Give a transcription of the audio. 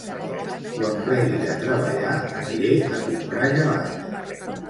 Quan plegui de treballar aniré a comprar gelats